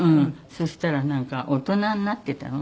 そしたらなんか大人になってたの。